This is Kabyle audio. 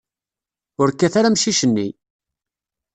Ur kkat ara amcic-nni!